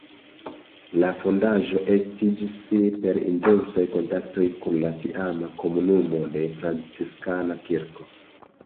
La fondaĵo estiĝis per intensaj kontaktoj kun la tiama komunumo de la Franciskana kirko.